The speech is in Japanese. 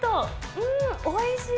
うーん、おいしい。